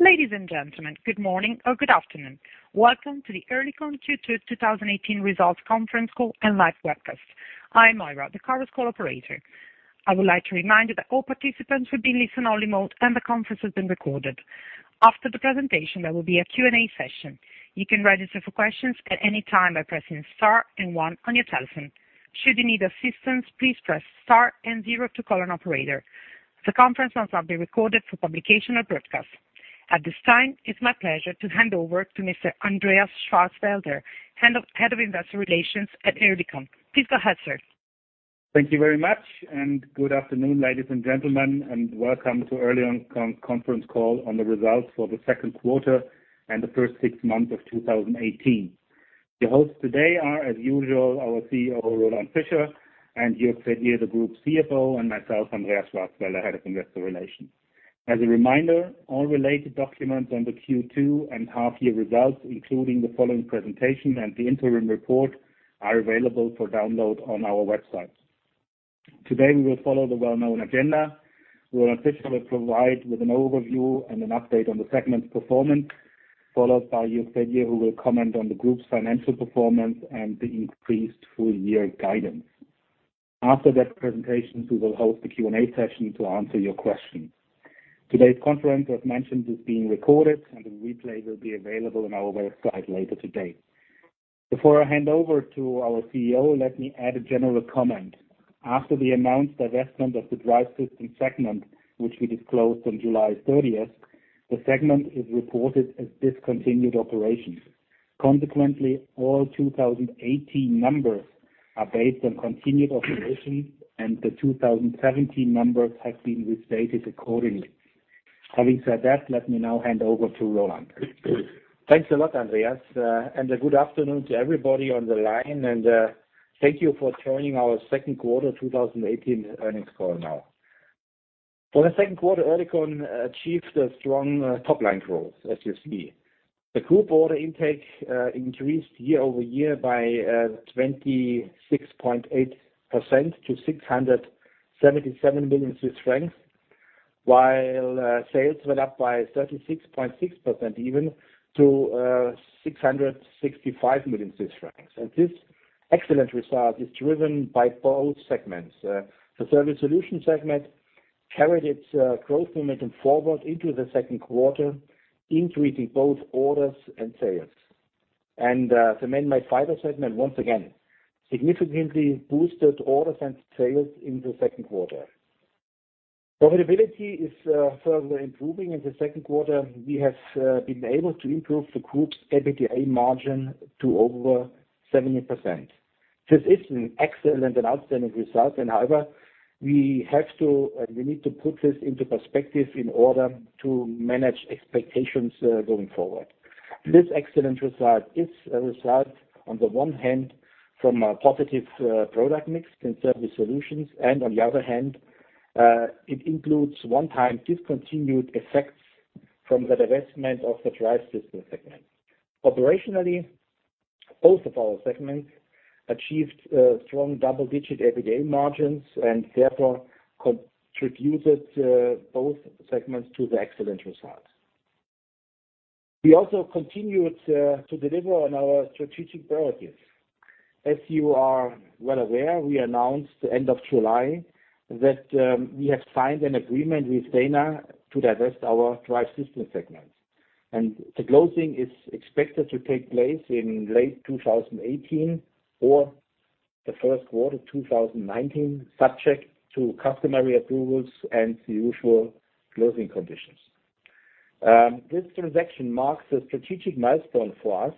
Ladies and gentlemen, good morning or good afternoon. Welcome to the OC Oerlikon Q2 2018 Results Conference Call and live webcast. I am Ira, the conference call operator. I would like to remind you that all participants will be in listen-only mode, and the conference is being recorded. After the presentation, there will be a Q&A session. You can register for questions at any time by pressing star 1 on your telephone. Should you need assistance, please press star 0 to call an operator. The conference may now be recorded for publication or broadcast. At this time, it's my pleasure to hand over to Mr. Andreas Schwarzwälder, Head of Investor Relations at OC Oerlikon. Please go ahead, sir. Thank you very much, and good afternoon, ladies and gentlemen, and welcome to OC Oerlikon conference call on the results for the second quarter and the first six months of 2018. The hosts today are, as usual, our CEO, Roland Fischer, and Jürg Fedier, the Group CFO, and myself, Andreas Schwarzwälder, Head of Investor Relations. As a reminder, all related documents on the Q2 and half-year results, including the following presentation and the interim report, are available for download on our website. Today, we will follow the well-known agenda. Roland Fischer will provide with an overview and an update on the segments' performance, followed by Jürg Fedier, who will comment on the group's financial performance and the increased full-year guidance. After that presentation, we will host a Q&A session to answer your questions. Today's conference, as mentioned, is being recorded, and the replay will be available on our website later today. Before I hand over to our CEO, let me add a general comment. After the announced divestment of the Drive Systems segment, which we disclosed on July 30, the segment is reported as discontinued operations. Consequently, all 2018 numbers are based on continued operations, and the 2017 numbers have been restated accordingly. Having said that, let me now hand over to Roland. Thanks a lot, Andreas, and a good afternoon to everybody on the line, and thank you for joining our second quarter 2018 earnings call now. For the second quarter, OC Oerlikon achieved a strong top-line growth, as you see. The group order intake increased year-over-year by 26.8% to 677 million Swiss francs, while sales went up by 36.6% even to 665 million Swiss francs. And this excellent result is driven by both segments. The Surface Solutions segment carried its growth momentum forward into the second quarter, increasing both orders and sales. And the Manmade Fibers segment, once again, significantly boosted orders and sales in the second quarter. Profitability is further improving. In the second quarter, we have been able to improve the group's EBITDA margin to over 17%. This is an excellent and outstanding result. However, we need to put this into perspective in order to manage expectations going forward. This excellent result is a result on the one hand from a positive product mix in Surface Solutions, and on the other hand, it includes one-time discontinued effects from the divestment of the Drive Systems segment. Operationally, both of our segments achieved strong double-digit EBITDA margins and therefore contributed both segments to the excellent results. We also continued to deliver on our strategic priorities. As you are well aware, we announced the end of July that we have signed an agreement with Dana to divest our Drive Systems segment. The closing is expected to take place in late 2018 or the first quarter 2019, subject to customary approvals and the usual closing conditions. This transaction marks a strategic milestone for us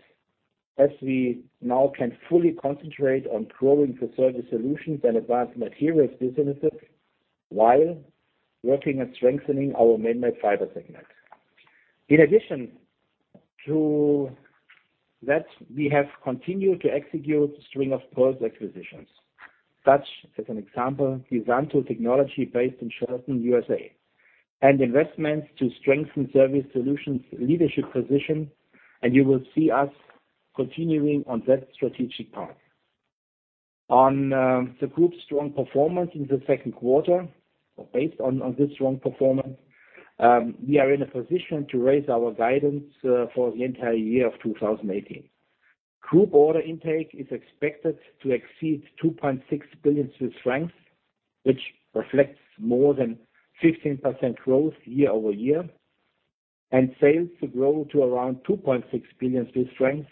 as we now can fully concentrate on growing the Surface Solutions and Advanced Materials businesses while working on strengthening our Manmade Fibers segment. In addition to that, we have continued to execute a string of post acquisitions, such as an example, Essento Technology based in Charleston, U.S.A., and investments to strengthen Surface Solutions leadership position, and you will see us continuing on that strategic path. On the group's strong performance in the second quarter or based on this strong performance, we are in a position to raise our guidance for the entire year of 2018. Group order intake is expected to exceed 2.6 billion Swiss francs, which reflects more than 15% growth year-over-year, and sales to grow to around 2.6 billion Swiss francs,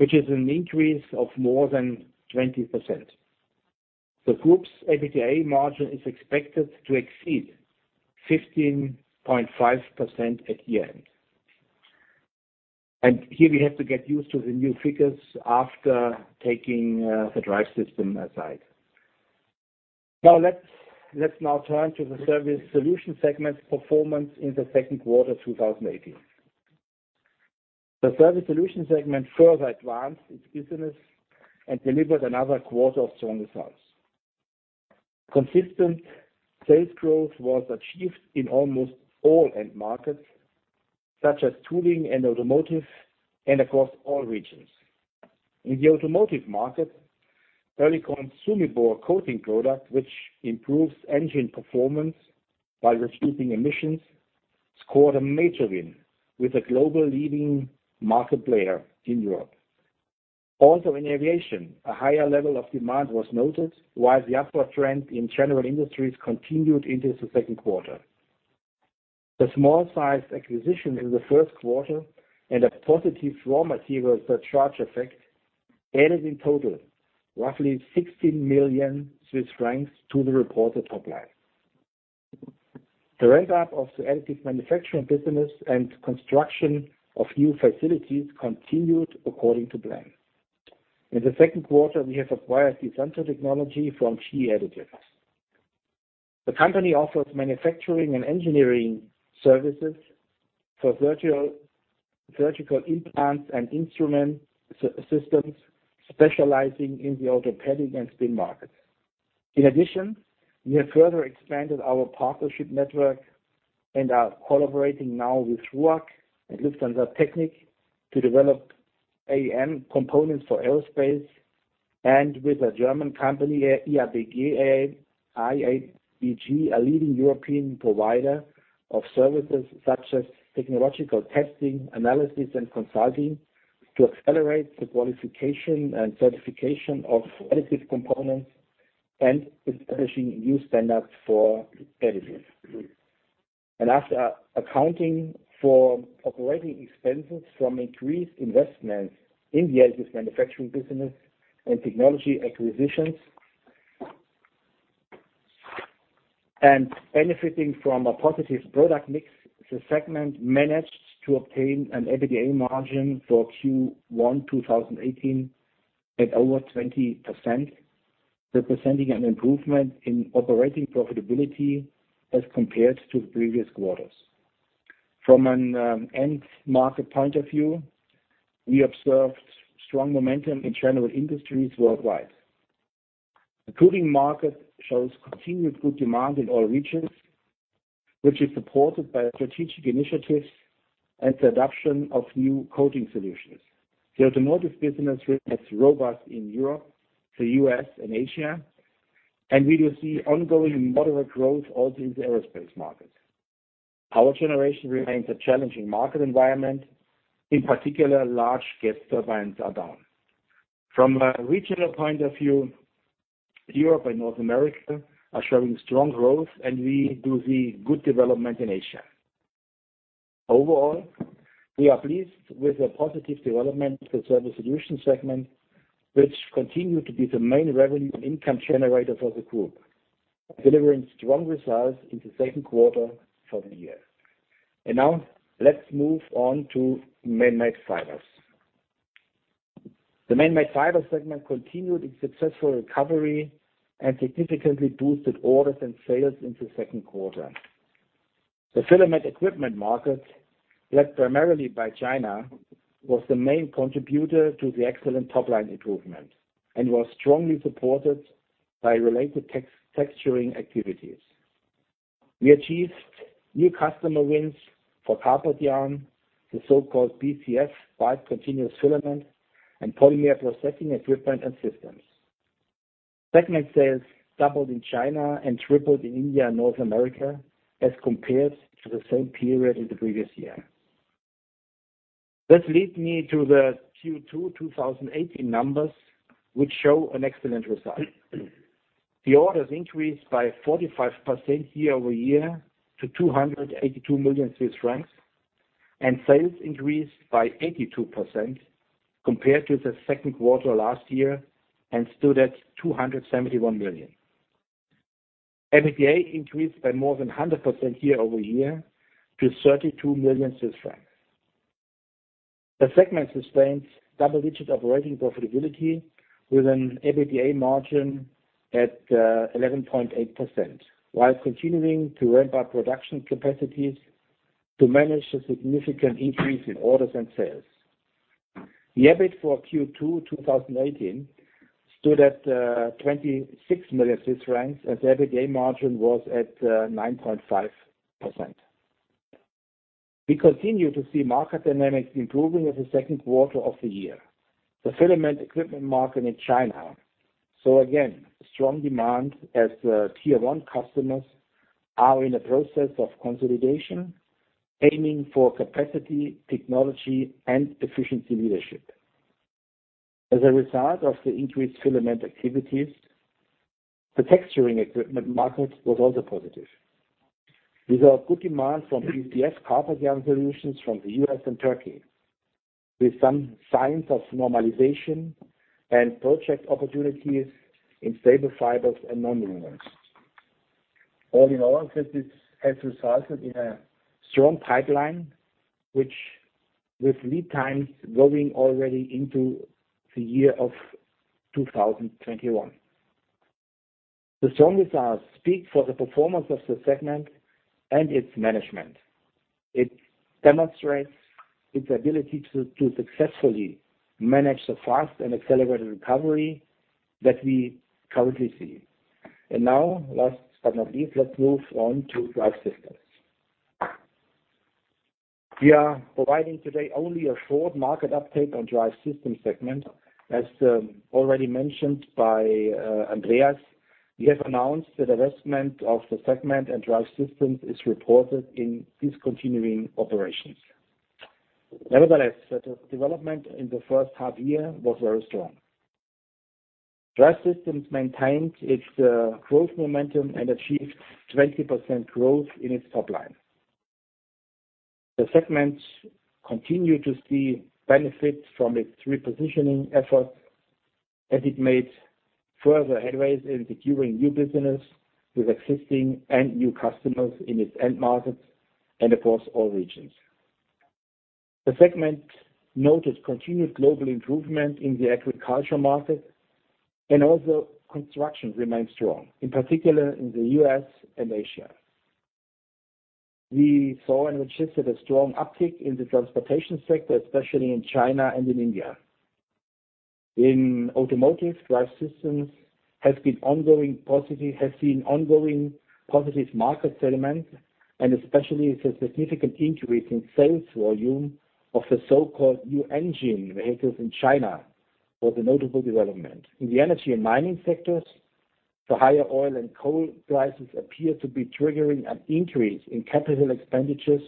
which is an increase of more than 20%. The group's EBITDA margin is expected to exceed 15.5% at year-end. Here we have to get used to the new figures after taking the Drive Systems aside. Let's now turn to the Surface Solutions segment performance in the second quarter 2018. The Surface Solutions segment further advanced its business and delivered another quarter of strong results. Consistent sales growth was achieved in almost all end markets, such as tooling and automotive, and across all regions. In the automotive market, OC Oerlikon's SUMEBore coating product, which improves engine performance by reducing emissions, scored a major win with a global leading market player in Europe. Also, in aviation, a higher level of demand was noted, while the upward trend in general industries continued into the second quarter. The small size acquisition in the first quarter and a positive raw material surcharge effect added in total roughly 16 million Swiss francs to the reported top line. The ramp-up of the additive manufacturing business and construction of new facilities continued according to plan. In the second quarter, we have acquired Essento Technology from Qi Additives. The company offers manufacturing and engineering services for surgical implants and instrument systems specializing in the orthopedic and spine markets. In addition, we have further expanded our partnership network and are collaborating now with RUAG and Lufthansa Technik to develop AM components for aerospace, and with a German company, IABG, a leading European provider of services such as technological testing, analysis, and consulting to accelerate the qualification and certification of additive components and establishing new standards for additives. After accounting for operating expenses from increased investments in the additive manufacturing business and technology acquisitions, and benefiting from a positive product mix, the segment managed to obtain an EBITDA margin for Q1 2018 at over 20%, representing an improvement in operating profitability as compared to previous quarters. From an end market point of view, we observed strong momentum in general industries worldwide. The coating market shows continued good demand in all regions, which is supported by strategic initiatives and the adoption of new coating solutions. The automotive business remains robust in Europe, the U.S., and Asia, and we will see ongoing moderate growth also in the aerospace market. Power generation remains a challenging market environment. In particular, large gas turbines are down. From a regional point of view, Europe and North America are showing strong growth, and we do see good development in Asia. Overall, we are pleased with the positive development of the Surface Solutions segment, which continue to be the main revenue income generator for the group, delivering strong results in the second quarter for the year. Now let's move on to Manmade Fibers. The Manmade Fibers segment continued its successful recovery and significantly boosted orders and sales in the second quarter. The filament equipment market, led primarily by China, was the main contributor to the excellent top-line improvement and was strongly supported by related texturing activities. We achieved new customer wins for carpet yarn, the so-called BCF, Bulked Continuous Filament, and polymer processing equipment and systems. Segment sales doubled in China and tripled in India and North America as compared to the same period in the previous year. This leads me to the Q2 2018 numbers, which show an excellent result. The orders increased by 45% year-over-year to 282 million Swiss francs, and sales increased by 82% compared to the second quarter last year and stood at 271 million. EBITDA increased by more than 100% year-over-year to 32 million Swiss franc. The segment sustains double-digit operating profitability with an EBITDA margin at 11.8%, while continuing to ramp up production capacities to manage the significant increase in orders and sales. The EBIT for Q2 2018 stood at 26 million francs, as EBITDA margin was at 9.5%. We continue to see market dynamics improving in the second quarter of the year. The filament equipment market in China, saw again, strong demand as the tier 1 customers are in a process of consolidation, aiming for capacity, technology, and efficiency leadership. As a result of the increased filament activities, the texturing equipment market was also positive. These are good demands from BCF carpet yarn solutions from the U.S. and Turkey, with some signs of normalization and project opportunities in staple fibers and nonwovens. All in all, this has resulted in a strong pipeline, with lead times going already into the year of 2021. The strong results speak for the performance of the segment and its management. It demonstrates its ability to successfully manage the fast and accelerated recovery that we currently see. Now, last but not least, let's move on to Drive Systems. We are providing today only a short market update on Drive Systems segment. As already mentioned by Andreas, we have announced the divestment of the segment and Drive Systems is reported in discontinuing operations. Nevertheless, the development in the first half year was very strong. Drive Systems maintained its growth momentum and achieved 20% growth in its top line. The segments continue to see benefits from its repositioning effort, as it made further headways in securing new business with existing and new customers in its end markets and across all regions. The segment noticed continued global improvement in the agriculture market, and also construction remained strong, in particular in the U.S. and Asia. We saw and registered a strong uptick in the transportation sector, especially in China and in India. In automotive, Drive Systems has seen ongoing positive market sentiment, and especially with a significant increase in sales volume of the so-called new energy vehicles in China, was a notable development. In the energy and mining sectors, the higher oil and coal prices appear to be triggering an increase in capital expenditures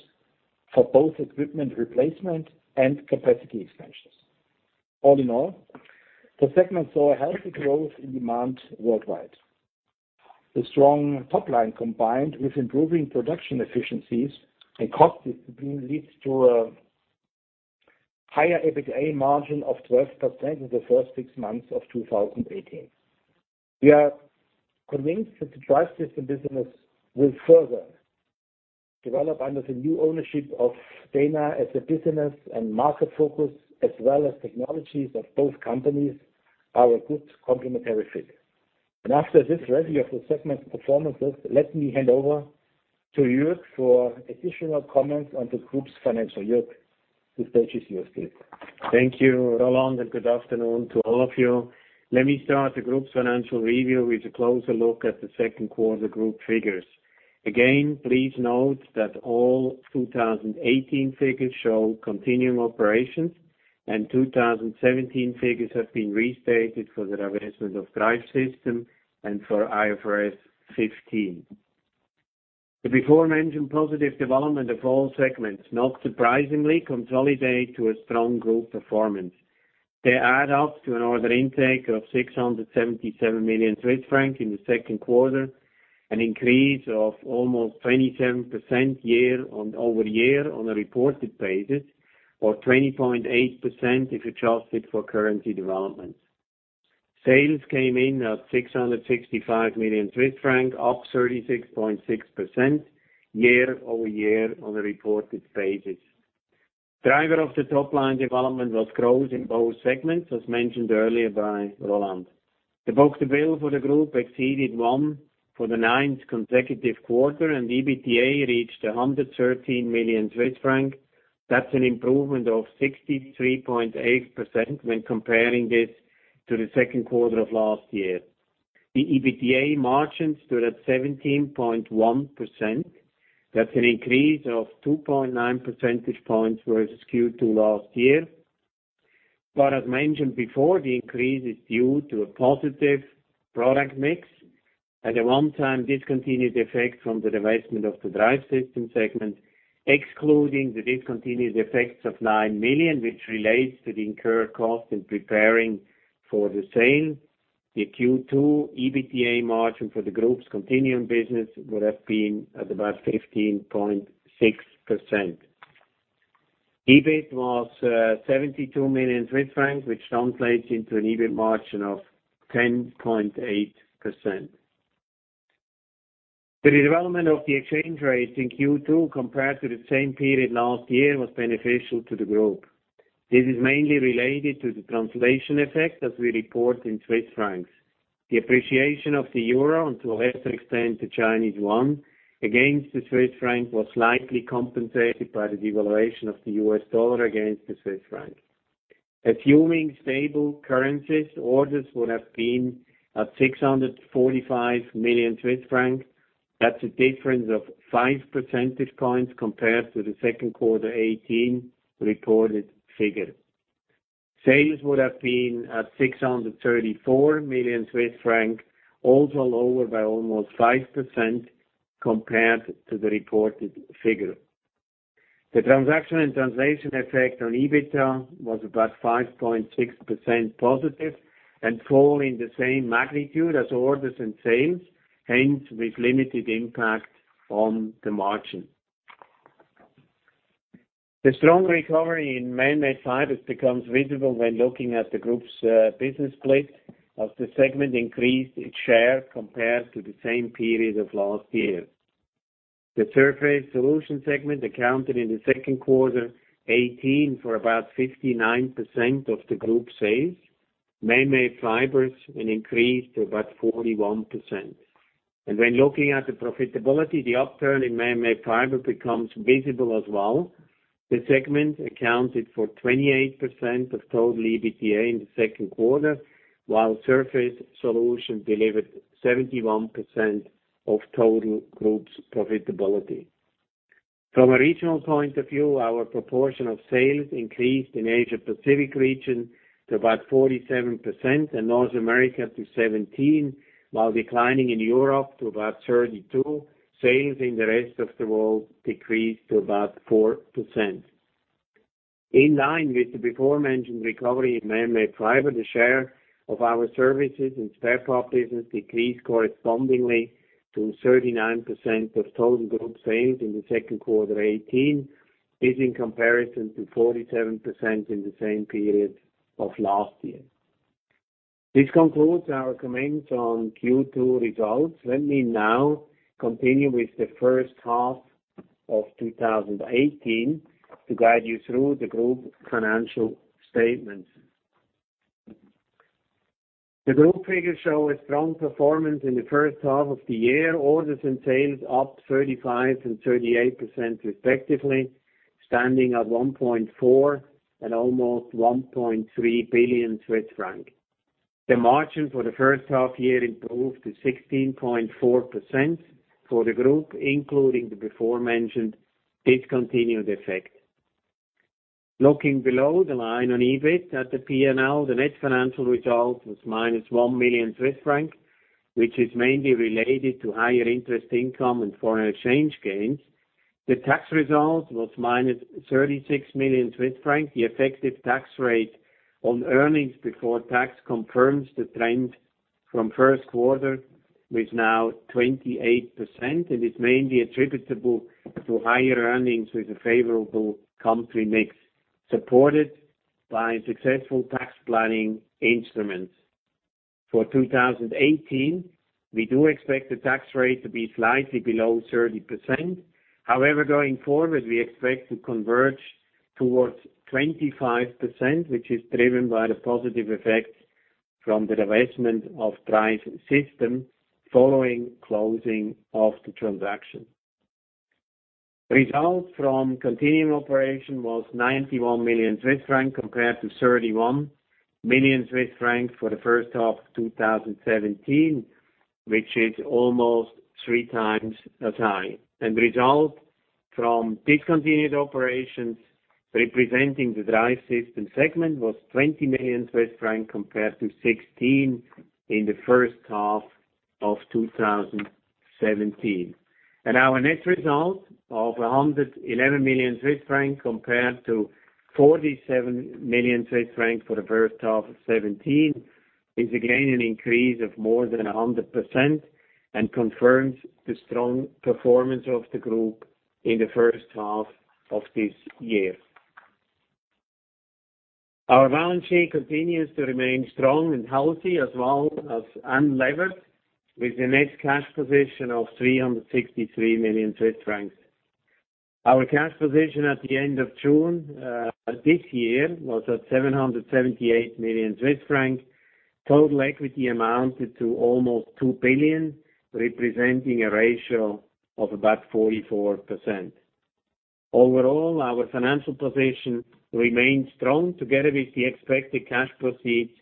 for both equipment replacement and capacity expansions. All in all, the segment saw a healthy growth in demand worldwide. The strong top line, combined with improving production efficiencies and cost discipline, leads to a higher EBITDA margin of 12% in the first six months of 2018. We are convinced that the Drive Systems business will further develop under the new ownership of Dana as a business and market focus, as well as technologies of both companies are a good complementary fit. After this review of the segment performances, let me hand over to Jürg for additional comments on the group's financial. Jürg, the stage is yours, please. Thank you, Roland, and good afternoon to all of you. Let me start the group's financial review with a closer look at the second quarter group figures. Again, please note that all 2018 figures show continuing operations, and 2017 figures have been restated for the divestment of Drive Systems and for IFRS 15. The before mentioned positive development of all segments, not surprisingly, consolidate to a strong group performance. They add up to an order intake of 677 million Swiss francs in the second quarter, an increase of almost 27% year-over-year on a reported basis, or 20.8% if adjusted for currency developments. Sales came in at 665 million Swiss francs, up 36.6% year-over-year on a reported basis. Driver of the top line development was growth in both segments, as mentioned earlier by Roland. The book-to-bill for the group exceeded one for the ninth consecutive quarter, and EBITDA reached 113 million Swiss francs. That's an improvement of 63.8% when comparing this to the second quarter of last year. The EBITDA margin stood at 17.1%. That's an increase of 2.9 percentage points versus Q2 last year. As mentioned before, the increase is due to a positive product mix and a one-time discontinued effect from the divestment of the Drive Systems segment, excluding the discontinued effects of 9 million, which relates to the incurred cost in preparing for the sale. The Q2 EBITDA margin for the group's continuing business would have been at about 15.6%. EBIT was 72 million Swiss francs, which translates into an EBIT margin of 10.8%. The development of the exchange rate in Q2 compared to the same period last year was beneficial to the group. This is mainly related to the translation effect as we report in CHF. The appreciation of the EUR, and to a lesser extent, the CNY, against the CHF was slightly compensated by the devaluation of the USD against the CHF. Assuming stable currencies, orders would have been at 645 million Swiss francs. That is a difference of five percentage points compared to the second quarter 2018 reported figure. Sales would have been at 634 million Swiss francs, also lower by almost 5% compared to the reported figure. The transaction and translation effect on EBITDA was about 5.6% positive and fall in the same magnitude as orders and sales, hence with limited impact on the margin. The strong recovery in Manmade Fibers becomes visible when looking at the group's business split, as the segment increased its share compared to the same period of last year. The Surface Solutions segment accounted in the second quarter 2018 for about 59% of the group sales. Manmade Fibers increased to about 41%. When looking at the profitability, the upturn in Manmade Fibers becomes visible as well. The segment accounted for 28% of total EBITDA in the second quarter, while Surface Solutions delivered 71% of total group's profitability. From a regional point of view, our proportion of sales increased in Asia Pacific region to about 47% and North America to 17%, while declining in Europe to about 32%. Sales in the rest of the world decreased to about 4%. In line with the before-mentioned recovery in Manmade Fibers, the share of our services and spare parts business decreased correspondingly to 39% of total group sales in the second quarter 2018, this in comparison to 47% in the same period of last year. This concludes our comments on Q2 results. Let me now continue with the first half of 2018 to guide you through the group financial statements. The group figures show a strong performance in the first half of the year. Orders and sales up 35% and 38% respectively, standing at 1.4 billion and almost 1.3 billion Swiss francs. The margin for the first half year improved to 16.4% for the group, including the before-mentioned discontinued effect. Looking below the line on EBIT at the P&L, the net financial result was minus 1 million Swiss francs, which is mainly related to higher interest income and foreign exchange gains. The tax result was minus 36 million Swiss francs. The effective tax rate on earnings before tax confirms the trend from first quarter with now 28%, is mainly attributable to higher earnings with a favorable country mix, supported by successful tax planning instruments. For 2018, we do expect the tax rate to be slightly below 30%. However, going forward, we expect to converge towards 25%, which is driven by the positive effect from the divestment of Drive Systems following closing of the transaction. Results from continuing operation was 91 million Swiss franc compared to 31 million Swiss francs for the first half of 2017, which is almost three times as high. Results from discontinued operations representing the Drive Systems segment was 20 million Swiss francs compared to 16 million in the first half of 2017. Our net result of 111 million Swiss francs compared to 47 million Swiss francs for the first half of 2017, is again an increase of more than 100% and confirms the strong performance of the group in the first half of this year. Our balance sheet continues to remain strong and healthy as well as unlevered with a net cash position of 363 million Swiss francs. Our cash position at the end of June this year was at 778 million Swiss francs. Total equity amounted to almost 2 billion, representing a ratio of about 44%. Overall, our financial position remains strong together with the expected cash proceeds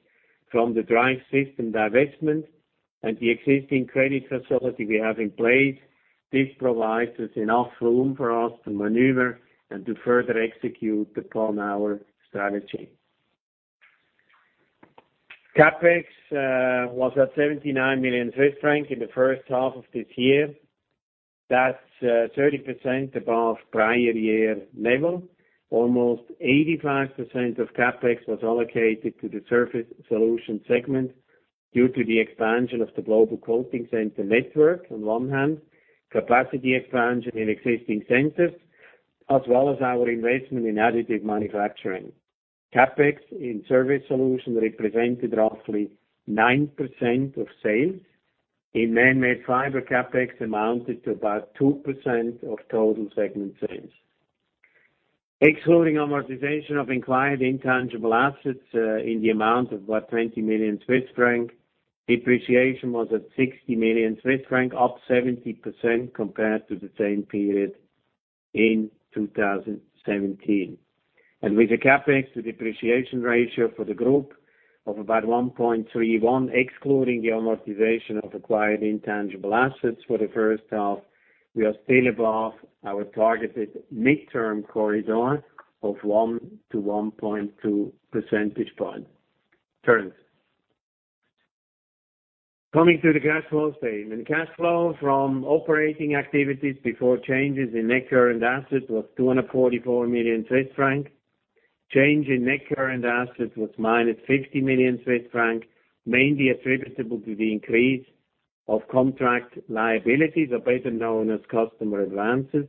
from the Drive Systems divestment and the existing credit facility we have in place. This provides us enough room for us to maneuver and to further execute upon our strategy. CapEx was at 79 million Swiss francs in the first half of this year. That's 30% above prior year level. Almost 85% of CapEx was allocated to the Surface Solutions segment due to the expansion of the global coating center network on one hand, capacity expansion in existing centers, as well as our investment in additive manufacturing. CapEx in Surface Solutions represented roughly 9% of sales. In Manmade Fibers, CapEx amounted to about 2% of total segment sales. Excluding amortization of acquired intangible assets in the amount of about 20 million Swiss franc, depreciation was at 60 million Swiss franc, up 70% compared to the same period in 2017. With the CapEx to depreciation ratio for the group of about 1.31, excluding the amortization of acquired intangible assets for the first half, we are still above our targeted midterm corridor of one to 1.2 percentage point. Coming to the cash flow statement. Cash flow from operating activities before changes in net current assets was 244 million Swiss franc. Change in net current assets was minus 50 million Swiss franc, mainly attributable to the increase of contract liabilities, or better known as customer advances,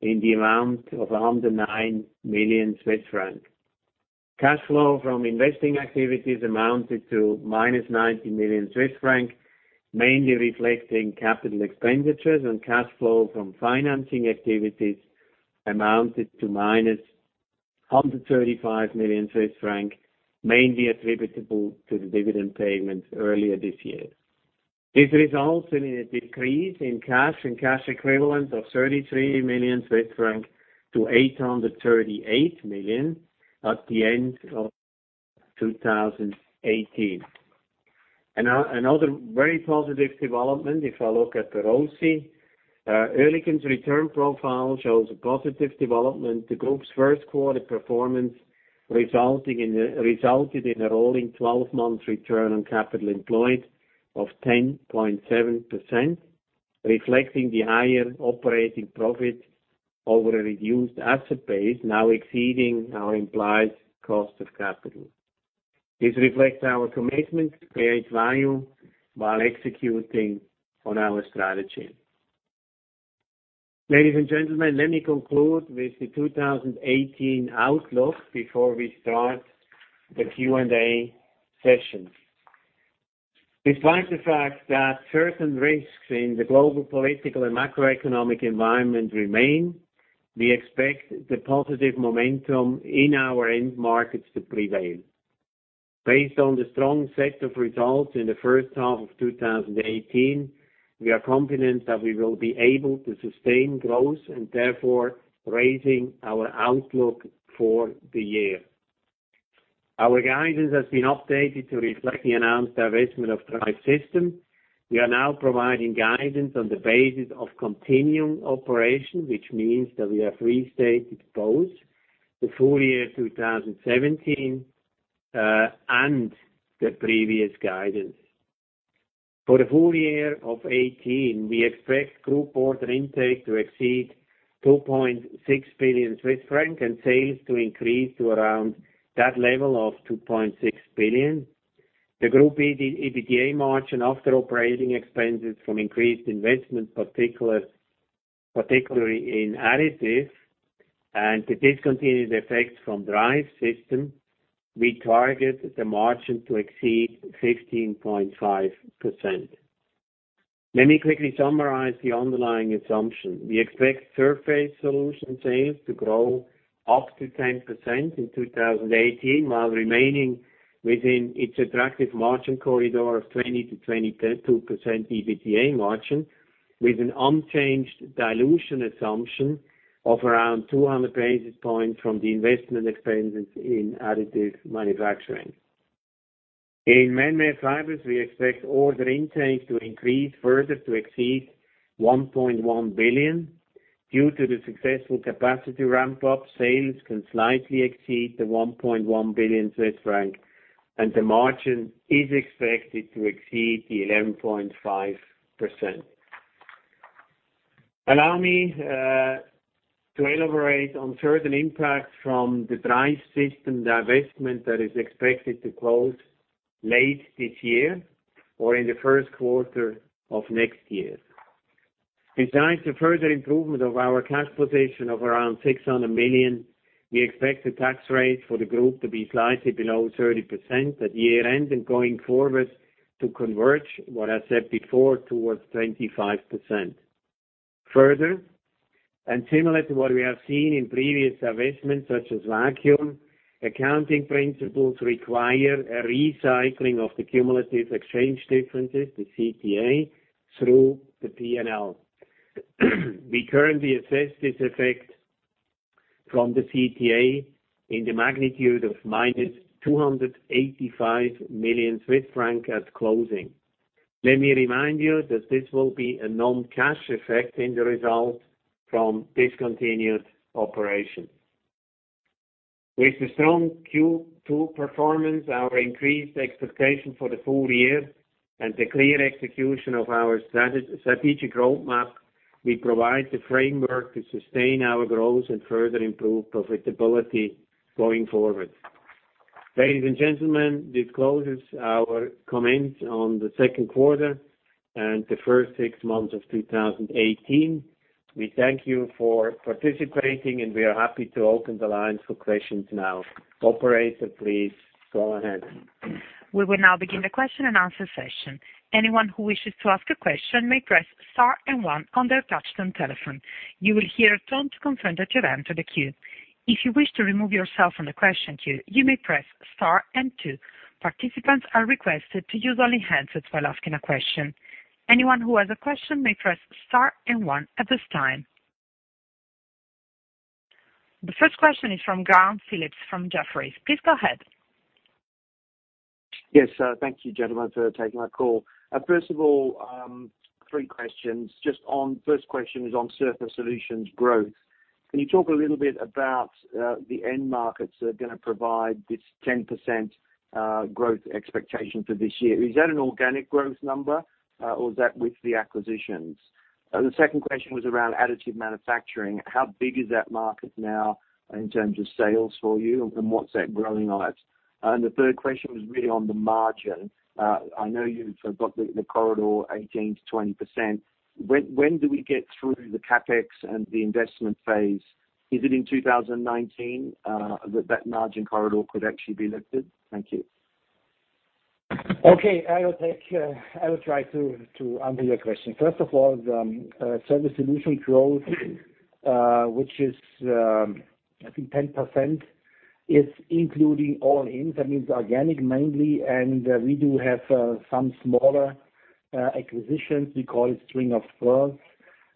in the amount of 109 million Swiss francs. Cash flow from investing activities amounted to minus 90 million Swiss francs, mainly reflecting capital expenditures, and cash flow from financing activities amounted to minus 135 million Swiss francs, mainly attributable to the dividend payment earlier this year. This results in a decrease in cash and cash equivalents of 33 million Swiss francs to 838 million at the end of 2018. Another very positive development, if I look at the ROCE, OC Oerlikon's return profile shows a positive development. The group's first quarter performance resulted in a rolling 12-month return on capital employed of 10.7%, reflecting the higher operating profit over a reduced asset base, now exceeding our implied cost of capital. This reflects our commitment to create value while executing on our strategy. Ladies and gentlemen, let me conclude with the 2018 outlook before we start the Q&A session. Despite the fact that certain risks in the global, political, and macroeconomic environment remain, we expect the positive momentum in our end markets to prevail. Based on the strong set of results in the first half of 2018, we are confident that we will be able to sustain growth, and therefore, raising our outlook for the year. Our guidance has been updated to reflect the announced divestment of Drive Systems. We are now providing guidance on the basis of continuing operation, which means that we have restated both the full year 2017, and the previous guidance. For the full year of 2018, we expect group order intake to exceed 2.6 billion Swiss francs, and sales to increase to around that level of 2.6 billion. The group EBITDA margin after operating expenses from increased investment, particularly in additives, and the discontinued effects from Drive Systems, we target the margin to exceed 15.5%. Let me quickly summarize the underlying assumption. We expect Surface Solutions sales to grow up to 10% in 2018, while remaining within its attractive margin corridor of 20%-22% EBITDA margin, with an unchanged dilution assumption of around 200 basis points from the investment expenses in additive manufacturing. In Manmade Fibers, we expect order intake to increase further to exceed 1.1 billion. Due to the successful capacity ramp-up, sales can slightly exceed 1.1 billion Swiss franc, and the margin is expected to exceed 11.5%. Allow me to elaborate on certain impacts from the Drive Systems divestment that is expected to close late this year or in the first quarter of next year. Besides the further improvement of our cash position of around 600 million, we expect the tax rate for the group to be slightly below 30% at year-end, and going forward to converge, what I said before, towards 25%. Further, and similar to what we have seen in previous divestments such as Vacuum, accounting principles require a recycling of the cumulative exchange differences, the CTA, through the P&L. We currently assess this effect from the CTA in the magnitude of minus 285 million Swiss francs at closing. Let me remind you that this will be a non-cash effect in the results from discontinued operations. With the strong Q2 performance, our increased expectation for the full year, and the clear execution of our strategic roadmap, we provide the framework to sustain our growth and further improve profitability going forward. Ladies and gentlemen, this closes our comments on the second quarter and the first six months of 2018. We thank you for participating, and we are happy to open the lines for questions now. Operator, please go ahead. We will now begin the question and answer session. Anyone who wishes to ask a question may press star and one on their touch-tone telephone. You will hear a tone to confirm that you have entered the queue. If you wish to remove yourself from the question queue, you may press star and two. Participants are requested to use only handsets while asking a question. Anyone who has a question may press star and one at this time. The first question is from Graham Phillips from Jefferies. Please go ahead. Yes. Thank you, gentlemen, for taking my call. First of all, three questions. First question is on Surface Solutions growth. Can you talk a little bit about the end markets that are going to provide this 10% growth expectation for this year? Is that an organic growth number, or is that with the acquisitions? The second question was around additive manufacturing. How big is that market now in terms of sales for you, and what is that growing at? The third question was really on the margin. I know you have got the corridor 18%-20%. When do we get through the CapEx and the investment phase? Is it in 2019 that that margin corridor could actually be lifted? Thank you. Okay. I will try to answer your question. First of all, the Surface Solutions growth, which is, I think 10%, is including all in. That means organic mainly, and we do have some smaller acquisitions. We call it string of pearls,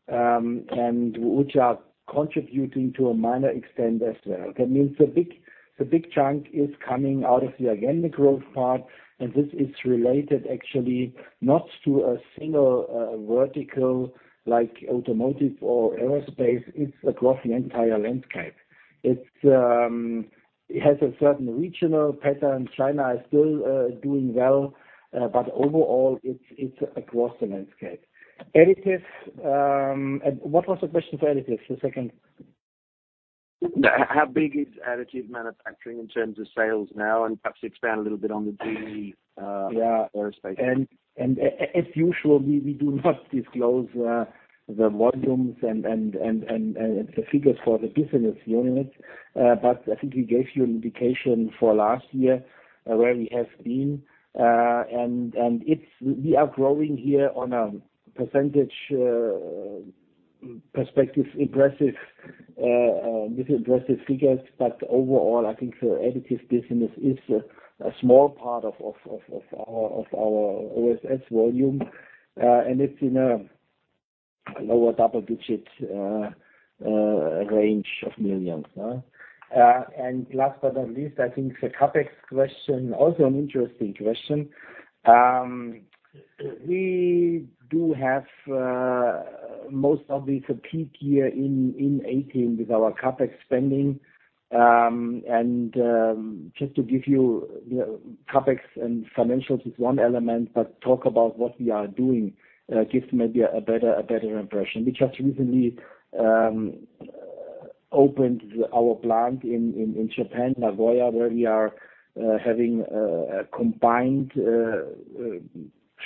which are contributing to a minor extent as well. That means the big chunk is coming out of the organic growth part, and this is related actually not to a single vertical like automotive or aerospace. It is across the entire landscape. It has a certain regional pattern. China is still doing well, but overall, it is across the landscape. Additives. What was the question for additives, the second? How big is additive manufacturing in terms of sales now? Perhaps expand a little bit on the GE- Yeah aerospace. As usual, we do not disclose the volumes and the figures for the business units. I think we gave you an indication for last year where we have been. We are growing here on a percentage perspective, with impressive figures. Overall, I think the additives business is a small part of our OSS volume. It is in a lower double-digit range of millions. Last but not least, I think the CapEx question, also an interesting question. We do have, most probably, it is a peak year in 2018 with our CapEx spending. Just to give you CapEx and financials is one element, but talk about what we are doing gives maybe a better impression. We just recently opened our plant in Japan, Nagoya, where we are having a combined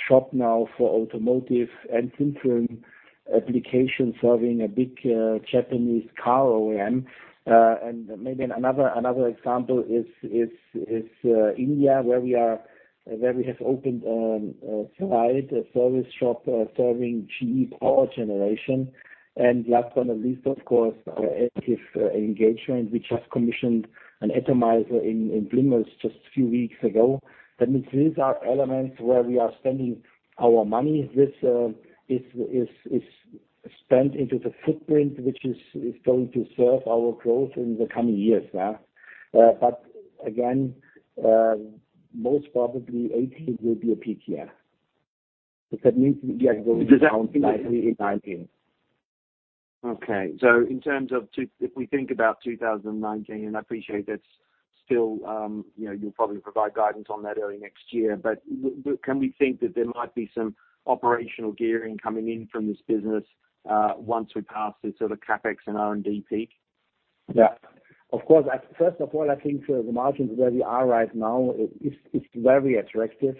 shop now for automotive and thin-film applications, serving a big Japanese car OEM. Maybe another example is India, where we have opened a site, a service shop serving GE Power Generation. Last but not least, of course, our active engagement. We just commissioned an atomizer in Bingen just a few weeks ago. That means these are elements where we are spending our money. This is spent into the footprint, which is going to serve our growth in the coming years. But again, most probably 2018 will be a peak year. That means we are going down slightly in 2019. Okay. If we think about 2019, and I appreciate that you'll probably provide guidance on that early next year. But can we think that there might be some operational gearing coming in from this business once we pass the sort of CapEx and R&D peak? Yeah. Of course. First of all, I think the margins where we are right now is very attractive.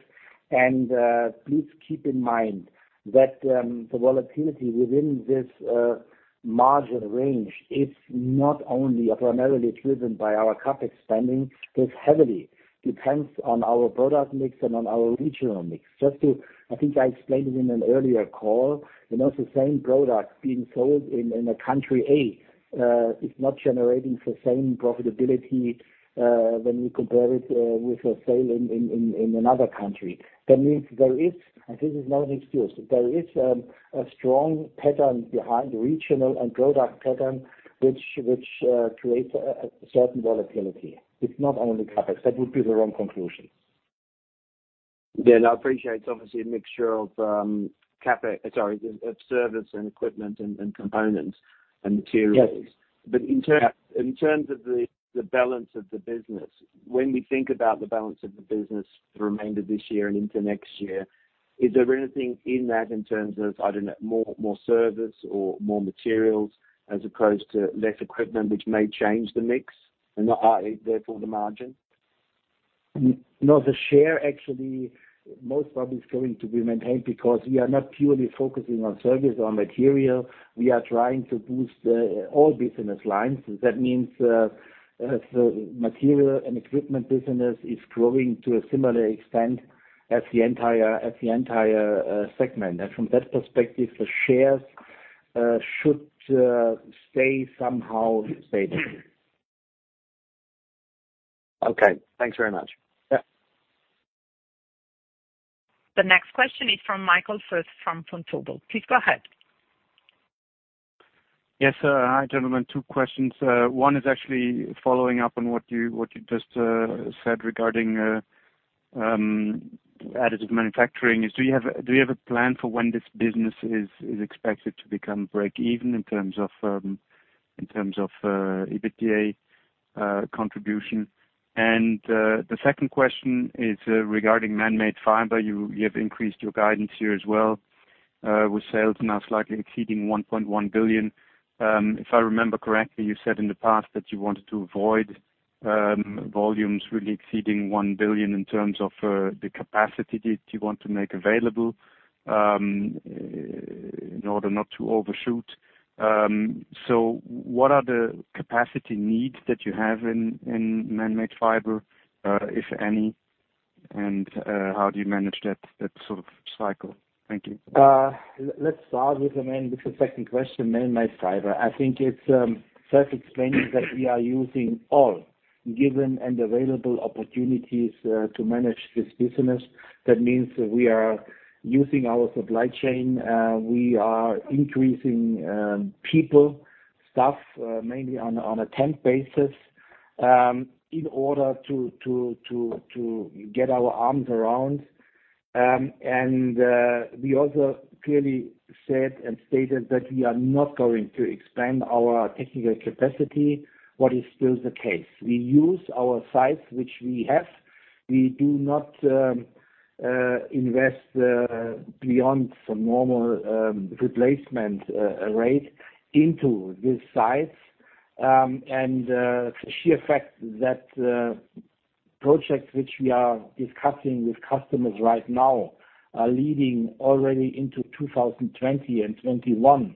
Please keep in mind that the volatility within this margin range is not only or primarily driven by our CapEx spending. This heavily depends on our product mix and on our regional mix. I think I explained it in an earlier call. The same product being sold in a country A is not generating the same profitability when we compare it with a sale in another country. That means there is, and this is not an excuse, there is a strong pattern behind regional and product pattern, which creates a certain volatility. It's not only CapEx. That would be the wrong conclusion. Yeah. I appreciate it's obviously a mixture of service and equipment and components and materials. Yes. In terms of the balance of the business, when we think about the balance of the business for the remainder of this year and into next year, is there anything in that in terms of, I don't know, more service or more materials as opposed to less equipment, which may change the mix and therefore the margin? No. The share actually most probably is going to be maintained because we are not purely focusing on service or material. We are trying to boost all business lines. That means the material and equipment business is growing to a similar extent as the entire segment. From that perspective, the shares should stay somehow stable. Okay. Thanks very much. Yeah. The next question is from Michael Foeth from Vontobel. Please go ahead. Yes. Hi, gentlemen. Two questions. One is actually following up on what you just said regarding additive manufacturing. Do you have a plan for when this business is expected to become break-even in terms of EBITDA contribution? The second question is regarding Manmade Fibers. You have increased your guidance here as well, with sales now slightly exceeding 1.1 billion. If I remember correctly, you said in the past that you wanted to avoid volumes really exceeding 1 billion in terms of the capacity that you want to make available. In order not to overshoot. What are the capacity needs that you have in Manmade Fibers, if any, and how do you manage that sort of cycle? Thank you. Let's start with the second question, Manmade Fibers. I think it's self-explanatory that we are using all given and available opportunities to manage this business. That means we are using our supply chain. We are increasing people, staff, mainly on a temp basis, in order to get our arms around. We also clearly said and stated that we are not going to expand our technical capacity, what is still the case. We use our sites, which we have. We do not invest beyond the normal replacement rate into these sites. The sheer fact that projects which we are discussing with customers right now are leading already into 2020 and 2021,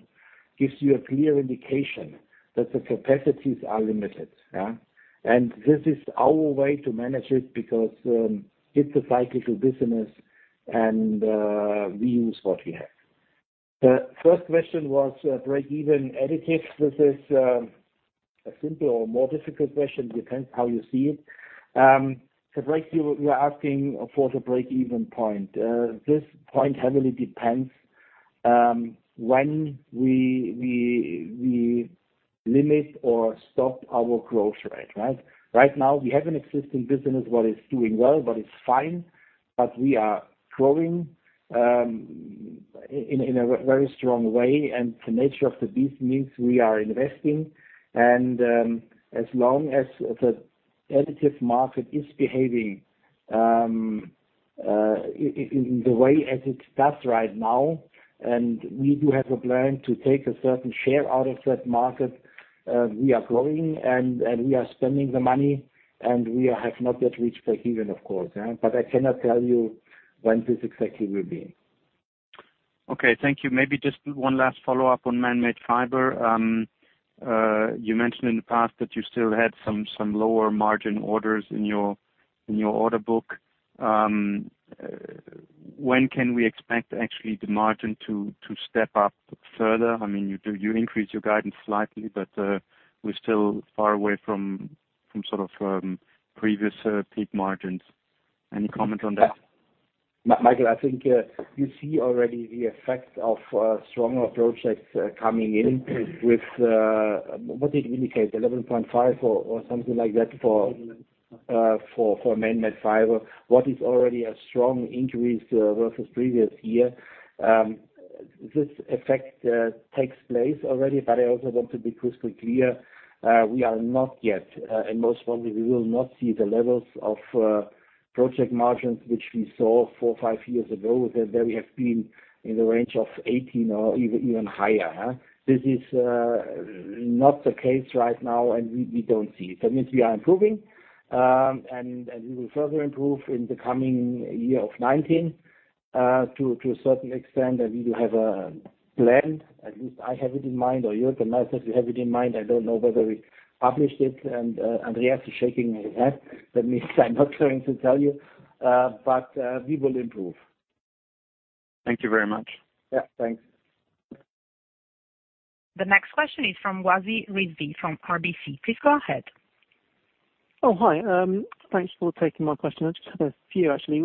gives you a clear indication that the capacities are limited. This is our way to manage it because it's a cyclical business and we use what we have. The first question was break-even additives. This is a simple or more difficult question, depends how you see it. First, you are asking for the break-even point. This point heavily depends when we limit or stop our growth rate. Right now, we have an existing business that is doing well, that is fine, but we are growing in a very strong way, and the nature of the beast means we are investing. As long as the additive market is behaving in the way as it does right now, and we do have a plan to take a certain share out of that market, we are growing and we are spending the money, and we have not yet reached break-even, of course. I cannot tell you when this exactly will be. Okay. Thank you. Maybe just one last follow-up on Manmade Fibers. You mentioned in the past that you still had some lower margin orders in your order book. When can we expect actually the margin to step up further? You increased your guidance slightly, but we're still far away from previous peak margins. Any comment on that? Michael, I think you see already the effect of stronger projects coming in with, what did we indicate, 11.5 or something like that for Manmade Fibers, which is already a strong increase versus previous year. This effect takes place already, but I also want to be crystal clear, we are not yet, and most probably, we will not see the levels of project margins which we saw four or five years ago. They have been in the range of 18% or even higher. This is not the case right now, and we don't see it. We are improving, and we will further improve in the coming year of 2019 to a certain extent, and we do have a plan. At least I have it in mind, or Jürg and myself, we have it in mind. I don't know whether we published it. Andreas is shaking his head. I'm not going to tell you. We will improve. Thank you very much. Yeah. Thanks. The next question is from Wasi Rizvi from RBC. Please go ahead. Oh, hi. Thanks for taking my question. I just have a few actually.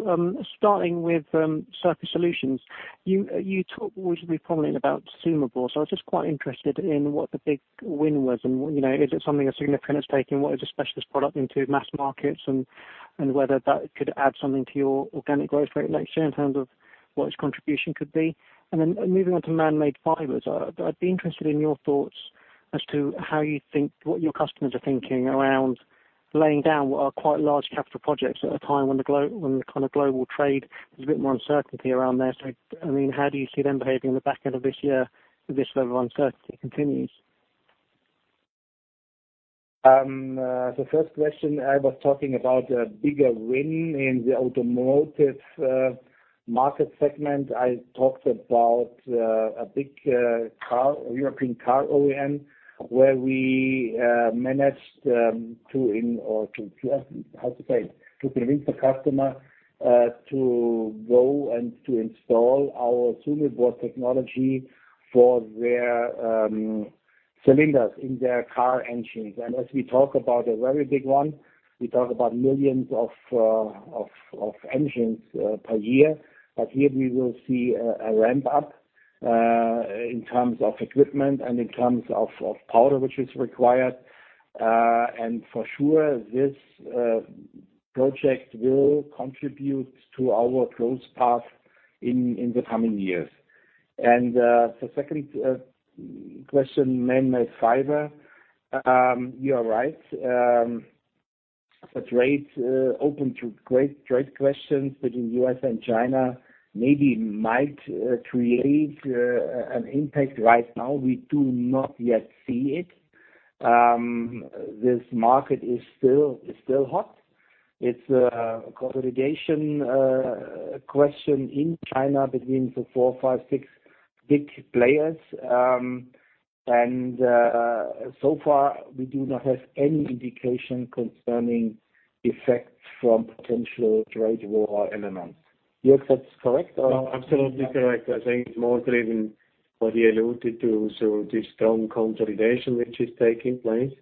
Starting with Surface Solutions. You talked recently probably about SUMEBore. I was just quite interested in what the big win was and, is it something as significant as taking what is a specialist product into mass markets and whether that could add something to your organic growth rate next year in terms of what its contribution could be? Then moving on to Manmade Fibers. I'd be interested in your thoughts as to how you think what your customers are thinking around laying down what are quite large capital projects at a time when the kind of global trade, there's a bit more uncertainty around there. How do you see them behaving in the back end of this year if this level of uncertainty continues? The first question, I was talking about a bigger win in the automotive market segment. I talked about a big European car OEM, where we managed to convince the customer to go and to install our SUMEBore technology for their cylinders in their car engines. As we talk about a very big one, we talk about millions of engines per year. Here we will see a ramp-up in terms of equipment and in terms of power, which is required. For sure, this project will contribute to our growth path in the coming years. The second question, Manmade Fibers. You are right. The trade, open to great trade questions between U.S. and China, maybe might create an impact. Right now, we do not yet see it. This market is still hot. It's a consolidation question in China between the four, five, six big players. So far, we do not have any indication concerning effects from potential trade war elements. Jürg, that's correct? Absolutely correct. I think it's more driven, what he alluded to, this strong consolidation which is taking place.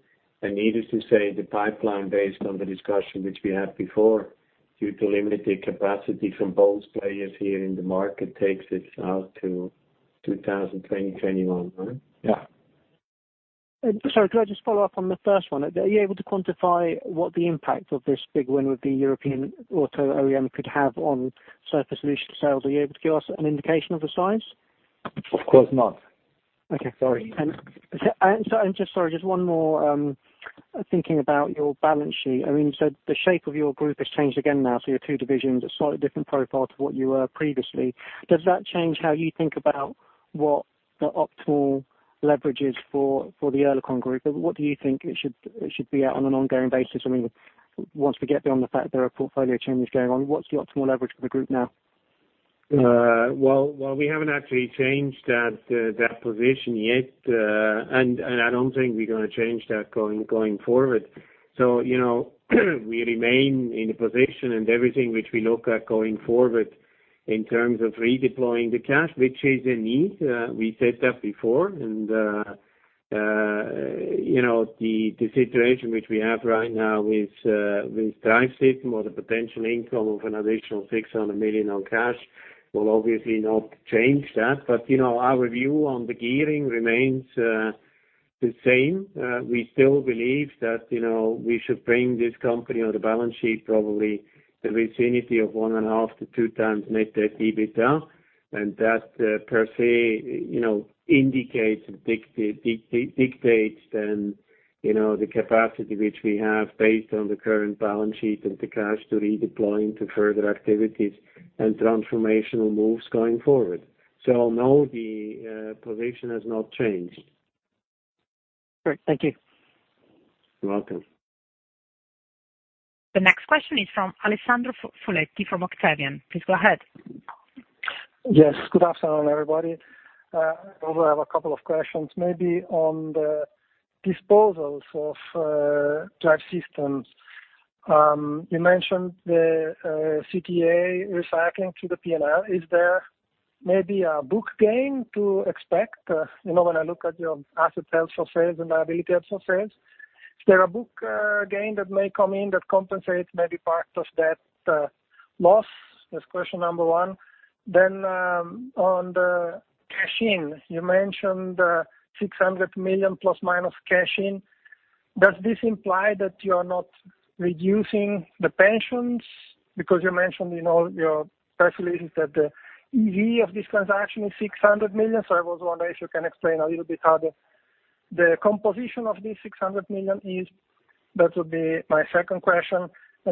Needless to say, the pipeline based on the discussion which we had before, due to limited capacity from both players here in the market, takes this out to 2020, 2021, right? Yeah. Sorry, could I just follow up on the first one? Are you able to quantify what the impact of this big win with the European auto OEM could have on Surface Solutions sales? Are you able to give us an indication of the size? Of course not. Okay. Sorry. Just sorry, just one more. Thinking about your balance sheet. The shape of your Group has changed again now, so your two divisions, a slightly different profile to what you were previously. Does that change how you think about what the optimal leverage is for the Oerlikon Group? What do you think it should be at on an ongoing basis? Once we get beyond the fact there are portfolio changes going on, what's the optimal leverage for the group now? Well, we haven't actually changed that position yet. I don't think we're going to change that going forward. We remain in a position and everything which we look at going forward in terms of redeploying the cash, which is a need, we said that before. The situation which we have right now with Drive Systems or the potential income of an additional 600 million on cash will obviously not change that. Our view on the gearing remains the same. We still believe that we should bring this company on the balance sheet, probably the vicinity of 1.5 to 2 times net debt EBITDA. That per se dictates the capacity which we have based on the current balance sheet and the cash to redeploy into further activities and transformational moves going forward. No, the position has not changed. Great. Thank you. You're welcome. The next question is from Alessandro Foletti from Octavian. Please go ahead. Yes, good afternoon, everybody. I probably have a couple of questions, maybe on the disposals of Drive Systems. You mentioned the CTA recycling to the P&L. Is there maybe a book gain to expect? When I look at your asset sales for sales and liability ups for sales, is there a book gain that may come in that compensates maybe part of that loss? That's question number 1. On the cash-in, you mentioned 600 million ± cash-in. Does this imply that you're not reducing the pensions? You mentioned in all your press releases that the EV of this transaction is 600 million, I was wondering if you can explain a little bit how the composition of this 600 million is. That would be my second question. I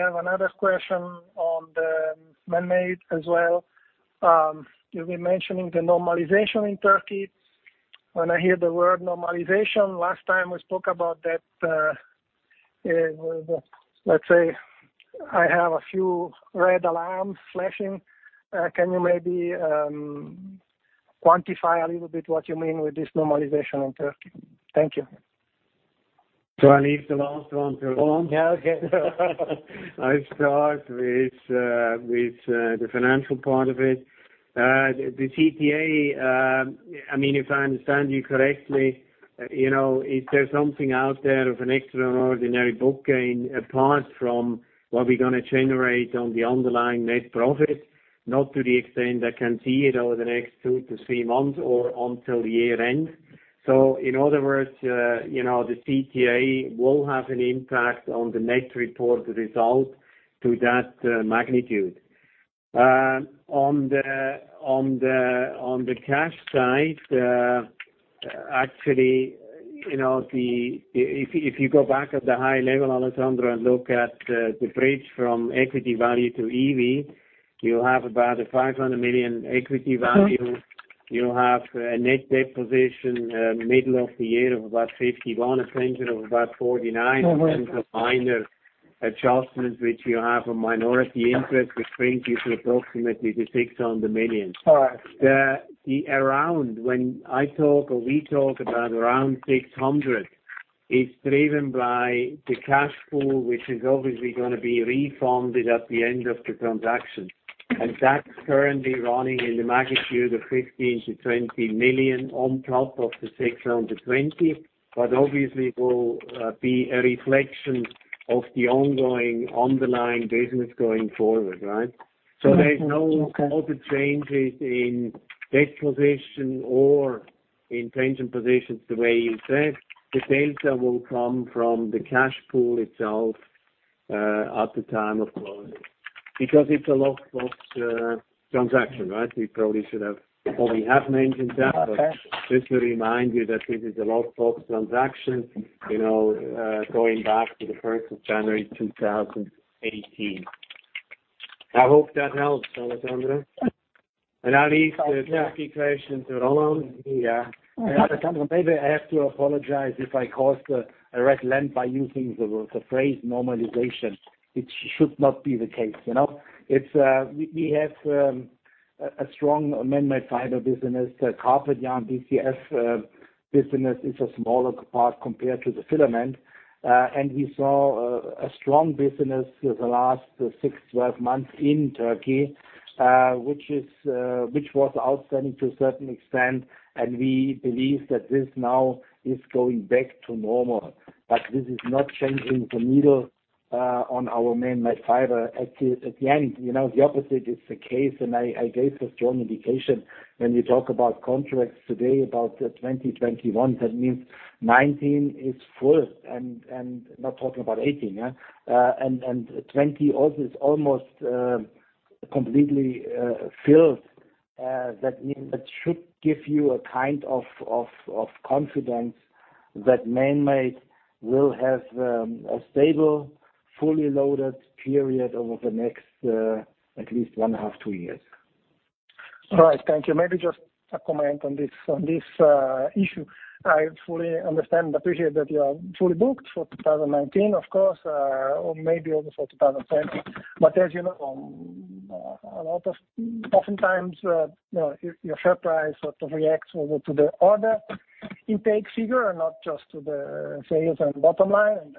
have another question on the Manmade as well. You've been mentioning the normalization in Turkey. When I hear the word normalization, last time we spoke about that, let's say I have a few red alarms flashing. Can you maybe quantify a little bit what you mean with this normalization in Turkey? Thank you. I leave the last one to you, Roland. Yeah, okay. I start with the financial part of it. The CTA, if I understand you correctly, is there something out there of an extraordinary book gain apart from what we're going to generate on the underlying net profit? Not to the extent I can see it over the next 2 to 3 months or until year-end. In other words, the CTA will have an impact on the net reported result to that magnitude. On the cash side, actually, if you go back at the high level, Alessandro, and look at the bridge from equity value to EV, you have about a 500 million equity value. You have a net debt position middle of the year of about 51, a pension of about 49- and some minor adjustments, which you have a minority interest, which brings you to approximately the 600 million. All right. When we talk about around 600, it's driven by the cash pool, which is obviously going to be refunded at the end of the transaction. That's currently running in the magnitude of 15 million to 20 million on top of the 620, but obviously will be a reflection of the ongoing underlying business going forward, right? There's no other changes in debt position or in pension positions the way you said. The delta will come from the cash pool itself at the time of closing. It's a locked box transaction, right? We have mentioned that- Okay Just to remind you that this is a locked box transaction going back to the 1st of January 2018. I hope that helps, Alessandro. I leave the Turkey question to Roland. Maybe I have to apologize if I caused a red lamp by using the phrase normalization. It should not be the case. We have a strong manmade fiber business. The carpet yarn BCF business is a smaller part compared to the filament. We saw a strong business the last six, 12 months in Turkey, which was outstanding to a certain extent, and we believe that this now is going back to normal. This is not changing the needle on our manmade fiber. At the end, the opposite is the case, and I gave a strong indication when we talk about contracts today about 2021, that means 2019 is full, and not talking about 2018. 2020 also is almost completely filled. That should give you a kind of confidence that manmade will have a stable, fully loaded period over the next at least one half, two years. All right. Thank you. Maybe just a comment on this issue. I fully understand and appreciate that you are fully booked for 2019, of course, or maybe over for 2020. As you know, oftentimes, your share price sort of reacts to the order intake figure and not just to the sales and bottom line.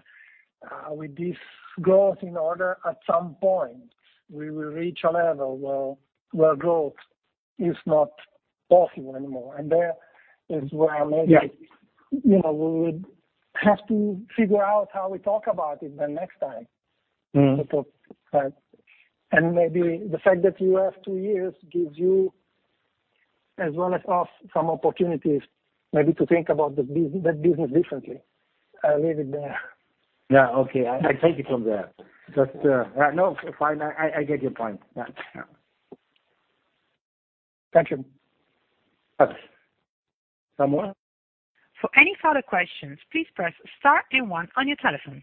With this growth in order, at some point, we will reach a level where growth is not possible anymore. There is where Yes We would have to figure out how we talk about it the next time. Maybe the fact that you have two years gives you, as well as us, some opportunities maybe to think about that business differently. I leave it there. Yeah. Okay. I take it from there. No, fine. I get your point. Yeah. Thank you. Thanks. Someone? For any further questions, please press star and one on your telephone.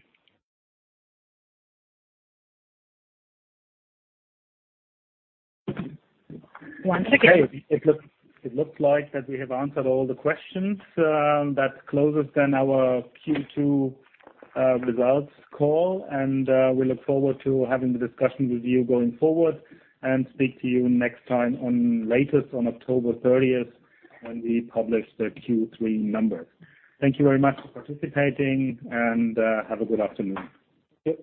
Once again- Okay. It looks like that we have answered all the questions. That closes then our Q2 results call, and we look forward to having the discussion with you going forward and speak to you next time on latest on October 30th when we publish the Q3 numbers. Thank you very much for participating, and have a good afternoon. Yep.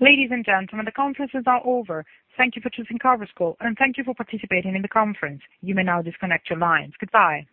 Ladies and gentlemen, the conference is now over. Thank you for choosing Conference Call, and thank you for participating in the conference. You may now disconnect your lines. Goodbye.